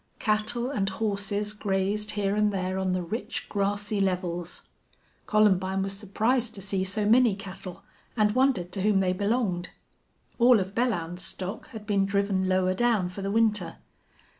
Cattle and horses grazed here and there on the rich, grassy levels, Columbine was surprised to see so many cattle and wondered to whom they belonged. All of Belllounds's stock had been driven lower down for the winter.